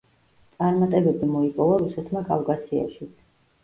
წარმატებები მოიპოვა რუსეთმა კავკასიაშიც.